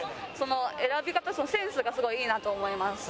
選び方センスがすごいいいなと思います。